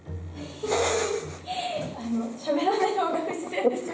あのしゃべらない方が不自然ですよね？